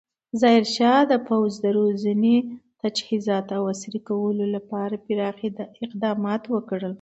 ظاهرشاه د پوځ د روزنې، تجهیزات او عصري کولو لپاره پراخ اقدامات وکړل.